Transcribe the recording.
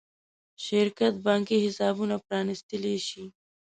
شرکت بانکي حسابونه پرانېستلی شي.